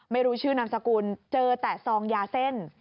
ไม่รู้ชื่อนามสกุลเจอแต่ซองยาเส้น